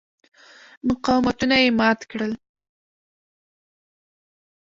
مقاومتونه یې مات کړل.